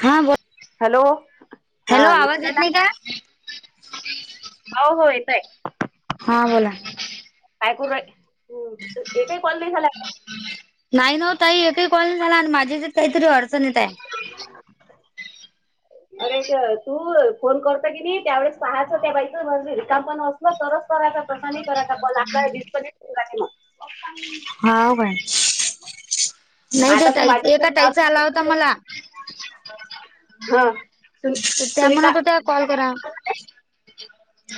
हा बोल हॅलो हा हॅलो आवाज येत नाही का हो हो येतय हा बोला काय करू तु एकही कॉलनी झाला नाही ना ओ ताई येकही कॉल नाही झाला आणि माझे काहीतरी अडचणी न हाय [inaudible] अरे तू फोन करत की नाही त्यावेेळेस पाहायचं त्या बाईक माझ रकाम पण असल तरच करायचं [unintelligible] आपल्याला [unintelligible] हा व काय नाही ते आता तू ताईच एका ताईचा आला होता माझ्या मला हा सु तर त्या म्हणत सुनीता हो त्या कॉल करा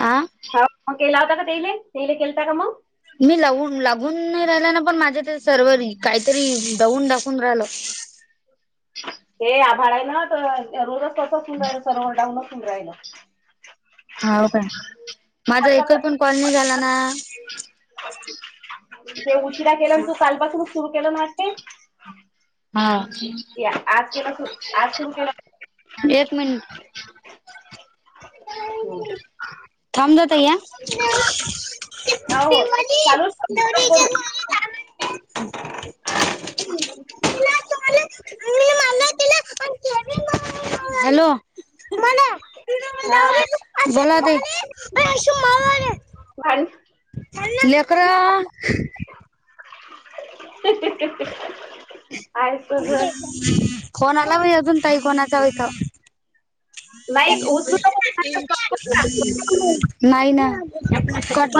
आ हा केला आवता का तेले तेले केलेता का मग मी लावून लागून नाय राहिला ना पण माझ्या ते सर्वर काहीतरी दवून दाखवून राहिलं. ते आभाळ आहे ना त रोजच तसंच सुन राहियल सडाऊनचून रायल. होवं काय माझा आता एकही पण तर कॉल नाय झाला ना ते उशिरा केला तू कालपासूनच सुरू केलं ना वाटते. हा. या आज केला सुरू आज सुरू केला. एक मिनट हो. थांब ग तया [unintelligible] [unintelligible] हो हो चालू करू हॅलो बोला हा ताई [unintelligible] लेकर [unintelligible] आहे सगळं फोन आला व्हय अजून कोणाचा इथं नाही उचलू नको पट [unintelligible] नाही ना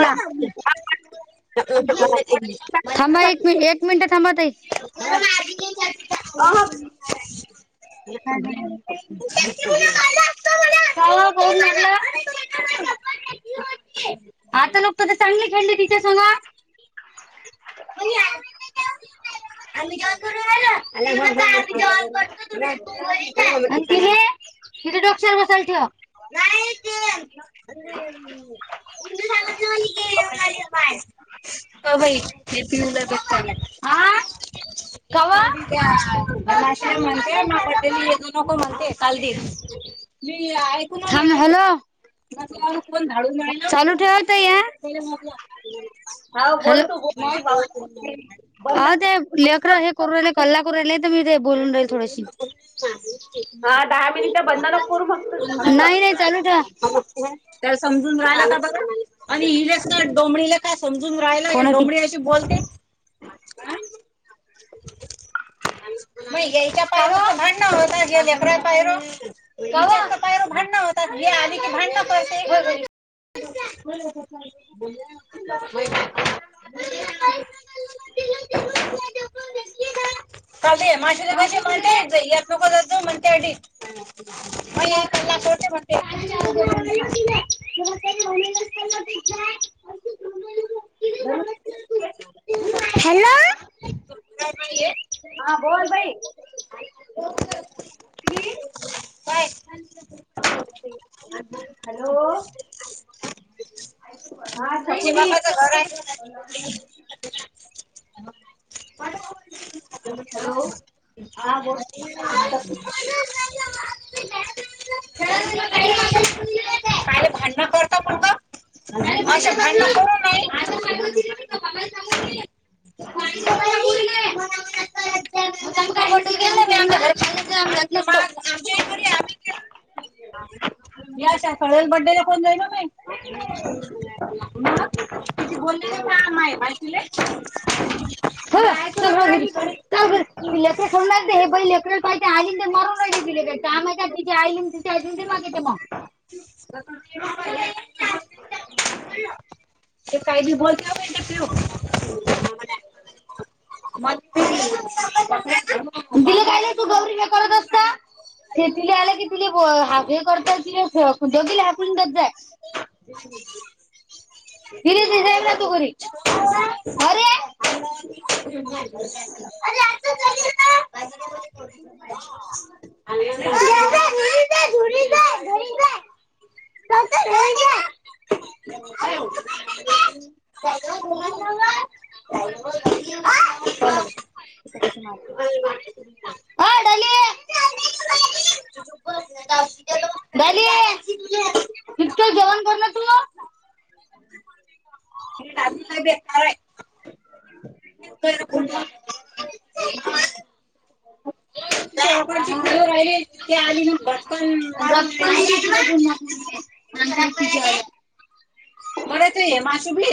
हा, पट [unintelligible] थांबा एक टाकण्यासाठी. मि एक मिनिट थांबा ताई अहं. [unintelligible] चा वं फोन लागला. आता नको तुझे चांगले खेळली तिच्या सोबत [unintelligible] आम्ही काय करू राहला आणि ते हे हित डोस्क्यावर बसायला ठेवा. कपडे [unintelligible] आ काव काशलामाया बडेला येऊ नको म्हणते काल दिन थांब ना हॅलो चालू ठेव ताई हं हा बोल तू बोल हो अ ते लेकर हे करू राहिले कल्ला करू राहिलेय तर मी ते बोलून राहील थोडेशी हा दहा मिनिटं बंद नको करू फक्त फक्त नाही नाही चालू ठेवा. त्याला समजून हा राहिला का बघा आणि हिलेस काय डोमणीला का समजून राहिला या डोबली ती बोलते म याच्या पाय वं त भांडणं या लेकरांना पाय वं कवा तुमच्या पायाव भांडणं होतात ही आली की भांडणं करते. [inaudible] काल ते माशाचे पैसे म्हणते य चुकून झालात म्हणते हंडी [inaudible] कल्ला करुदे म्हणते. [unintelligible] [unintelligible] नाय वं हॅलो हा बोल काय ह बाई हॅलो हा याच्या छकुली बापाच घर आहे का. [inaudible] [inaudible] [inaudible] [inaudible] हॅलो कायले हा बोल भांडण करता. पोरग आस भांडण करू नको. काय म्हणली माहितीय का मलाही चालत नाही भांडी धुवायला कोणी नाय आहे. [inaudible] याच्या [inaudible] बड्डेला कोण जाईल ग बाई ती बोलली. [inaudible] तुझं काम हे. माहीत तुले. [inaudible] लेकराला पाही. आलीन ते मारू राहिली ती [inaudible] काम आहे का तीजे आईले तीजे आयले दे मागेल ते म. [inaudible] ते काय बी बोल पियू बेटा पियू [inaudible] भक्ती. तिला काय नाही तू गौरी लई करत असत. अरे तिले आले की तिले हे करत तीले दोघीलाही हाकलून देत जाई. तिले [inaudible] हो तू घरी अरे. [inaudible] काय ग दोघांना व. [inaudible] [inaudible] अय डोली [inaudible] [inaudible] गाली [inaudible] डिचके जेवण कर ना तु [inaudible] ही डाली लय बेकार हाय. हीच त हिला फुल लावते. [inaudible] राहीली ते आली ना [inaudible] बर तू हे मासे बी.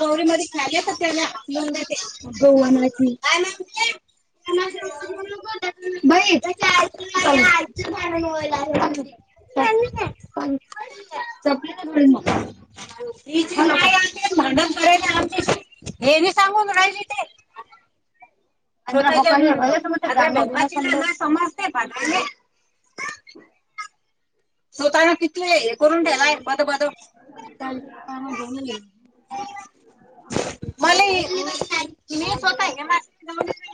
गौरी मध्ये खेळाले तर त्याना हाकलून देते अग [inaudible] धरून नेतील. बई [inaudible] [inaudible] पण चपलीने भोडिन मग [inaudible] ये मी सांगून राहीली ते [inaudible] समजतंय पण मले. [inaudible] स्वतःन तिथले हे करून ठेवलाय बध बध काल काय म्हणलासा म्हणले. मले [inaudible] [inaudible]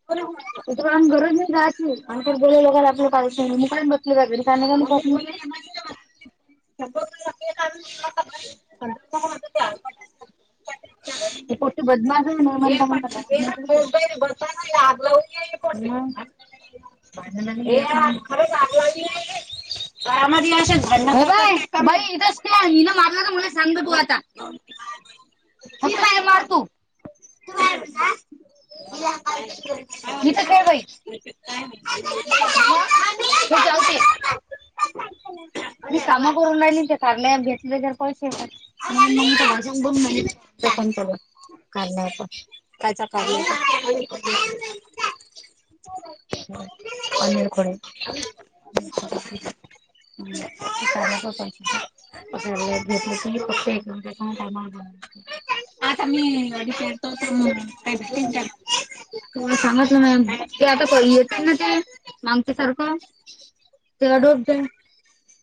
हो म घर राहो आणि बोलं आपलं का मण बसली [inaudible] बदमास म लागलाव पण खरग आरामश भंड बाय बाई इथंच हिनं मारलं तर मला सांगत तू आता काय मारतू [unintelligible] इथ ठेव बाई. का हे चालते. तु काय काम केलं मी काम करून राहिले ते कार्या ॲप घेतलय त्यात पैसे. ठीक आहे [inaudible] फोन चालू आहे कर नाहीय पण त्याचा कार [unintelligible] अनरकडे घेत फ. हा त अडी फेरतो. ला सांगतलं मॅम ते आता येत ना ते. मागतीसारखं तेव्हा डोब द्या.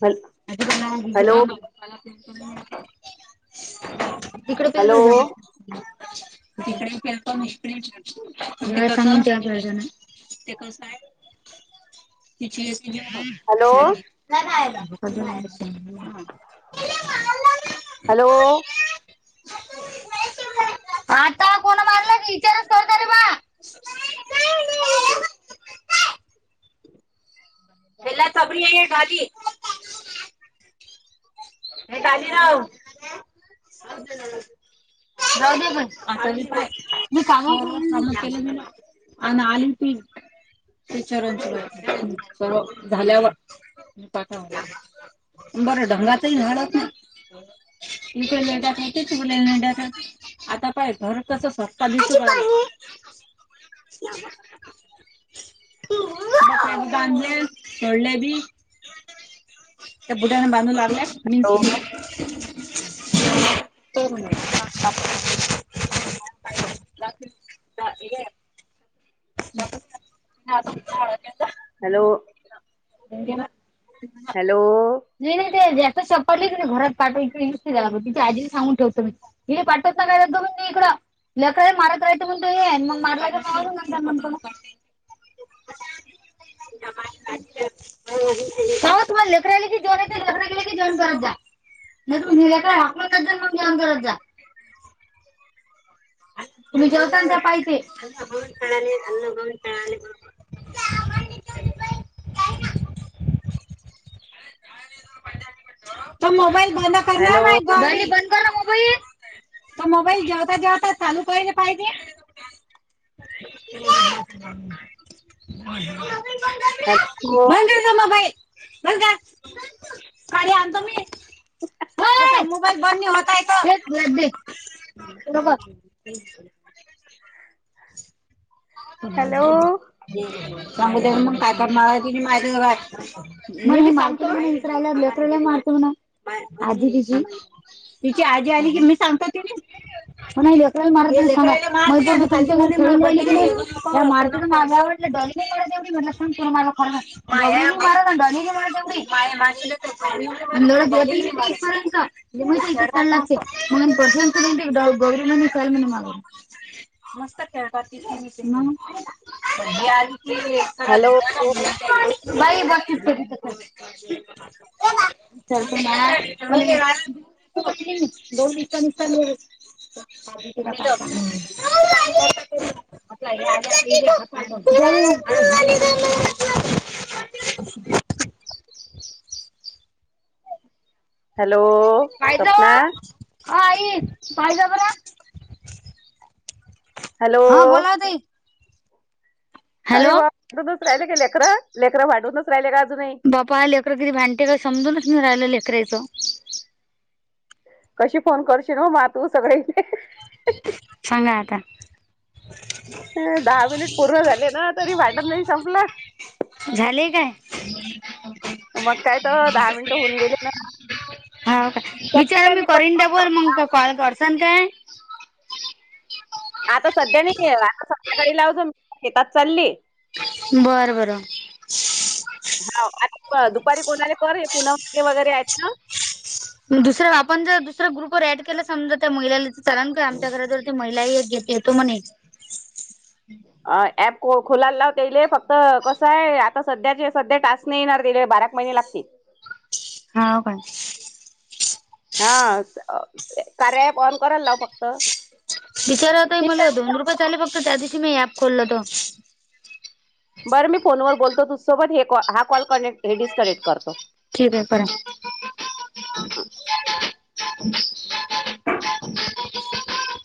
हॅल अ. इकड हॅलो प हॅलो जाणार. तिकडे प आता निष्क्रि. र्जन ते कस आहे तिची. हॅलो लाून. हॅलो! आता कोणा मारला इथ. पला सबळी आे घरी. हे कालीराव [unintelligible] जाऊ दे पण आता म मी काम कर काम केलं. अ नाल ती. टीचारांची माहि स झाल्यावर म पाका. बरं ढंगाचही झााडत ना. तुक जडा खायते तूलाड ख. आता पाय घर कस स्पत दिसू. बांधले वडले बी. त्या बुढ्याने बांधू लागल्या [unintelligible] म त. Hello [unintelligible] hello. नाही नाही ते जास्त चपडले की नाही घरात पाठव नुसती झाला तथे आजी सांगून ठेवतो मी. हे पाठ्ट स कायं पण इकं लकरड मारतयं पण त मग मारय. [unintelligible] स तुमला ललेकराख जोनेत लकराले जोन कररा जा. नाही तू नल्याकडे हाकलतच जा मग मी अंतरत जा. तुम्ही जेता तर पाहिजे हल्नेळाले अल्भनेळाले. का. तर मोबाईल बंद. बंद हॅलो कर मोबाईल तर मोबाईल जेवताेव. चालू पाहिजे,. हॅलो भ जामा भाई [inaudible] बस का काली आणतो मी ह मोबाईल बंद होताय हे बरोर हॅलो सांगू त्या मग काय करणार तुझी माहिती बघ म मत इसला लकले मारतव ना आजी बिचीी- [inaudible] तिची आजी आली की मी सांगत ति म्हकरा मार माझ माझ्यावडड पत तेवढी म्हटलं पण पण माला खराब माय मराो बो [inaudible] काला म प्रश गौरी मनी कल मन म मस्त काात दियाली हॅलो बाई बाकीच [inaudible] दोन मि ल. [inaudible] [inaudible] हॅलो, स्वप्ना पाहिजवा हई पाहिज ब ना हॅलो [inaudible] हा बोला ओ ताई अरे हॅलो वाडूनच राहिले का लेकररा लेकं भाडूनच राहिले का अजूनही बापा करं किती भांडतेे काय समजूनच मी राहिलं लेकराचं कशी फोन करशील म मा तू सगळे हगायता [inaudible] दहा मिनिट पूर्ण झाले ना तरी वाटत नाही संपला. झालेय काय. ह मग काय, दहा मिनिटं होऊन गेले हो का नाठीक मी प सां काय आता सध्या नाही आता सध्याकाळी लाव जा शेतात चालली, बरं बरं ह आता दुपारी कोणा आले कर हे पुनमागे वगैरे आहेत ना दुसर्या आपण जर दुसऱ्या ग्रुपवर ऍड केला समजा त्या महिलाला कारण का आमच्या घर जर ते महिलाही एक घेतेेतो म्हणे अ ऍप खोलाला लावतेले फक्त कसं आहे आता सध्याचे सध्या टास् नाही येणार दि बाराक महिने लागतील. हा हो काण हा कार्य ऍप ऑन करायला लाव फक्त वििचारा होता ठीक आहे मला मी दोन रुपये ठेवतो. चाले फक्त त्या दिवशी मी ऍप खोलल होत, बरं मी फोनवर बोलतो तुझसोबत हे हा कॉल कनेक्ट हे डिस्कनेक्ट करतो ठीक आहे करा, हो,